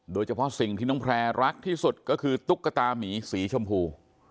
โดยเฉพาะสิ่งที่น้องแพร่รักที่สุดก็คือตุ๊กตามีสีชมพู